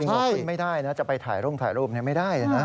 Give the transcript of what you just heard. จริงไม่ได้นะจะไปถ่ายรุ่งถ่ายรูปไม่ได้นะ